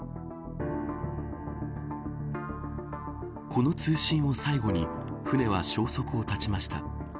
この通信を最後に船は消息を絶ちました。